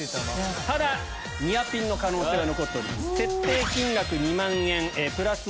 ただニアピンの可能性は残っております。